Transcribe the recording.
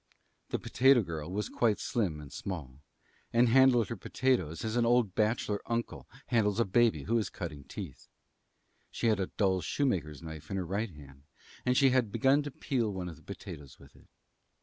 The potato girl was quite slim and small, and handled her potatoes as an old bachelor uncle handles a baby who is cutting teeth. She had a dull shoemaker's knife in her right hand, and she had begun to peel one of the potatoes with it.